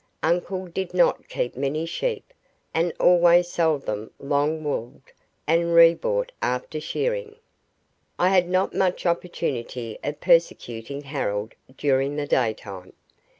Uncle did not keep many sheep, and always sold them long woolled and rebought after shearing. I had not much opportunity of persecuting Harold during the daytime.